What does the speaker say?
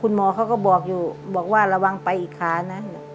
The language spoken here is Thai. หมอเขาก็บอกอยู่บอกว่าระวังไปอีกขานั้น